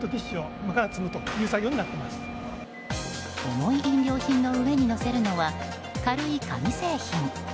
重い飲料品の上に載せるのは軽い紙製品。